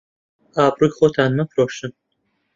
ئابڕووی خۆتان مەفرۆشن